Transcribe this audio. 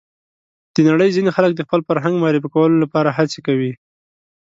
د نړۍ ځینې خلک د خپل فرهنګ معرفي کولو لپاره هڅه کوي.